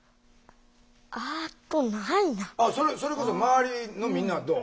あっとそれこそ周りのみんなはどう？